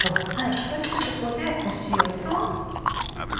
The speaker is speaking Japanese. そしてここで塩と。